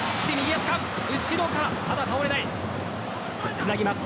つなぎます。